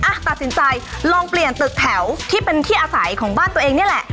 อ่ะตัดสินใจลองเปลี่ยนตึกแถวที่เป็นที่อาศัยของบ้านตัวเองนี่แหละ